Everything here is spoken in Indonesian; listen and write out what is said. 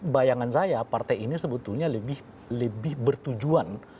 bayangan saya partai ini sebetulnya lebih bertujuan